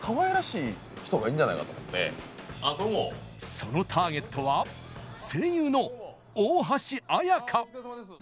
そのターゲットは声優の大橋彩香。